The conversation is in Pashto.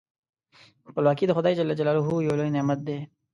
خپلواکي د خدای جل جلاله یو لوی نعمت دی.